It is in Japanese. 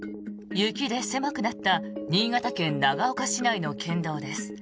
雪で狭くなった新潟県長岡市内の県道です。